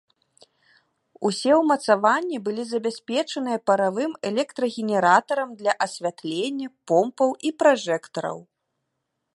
Усе ўмацаванні былі забяспечаныя паравым электрагенератарам для асвятлення, помпаў і пражэктараў.